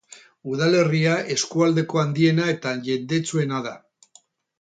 Udalerria eskualdeko handiena eta jendetsuena da.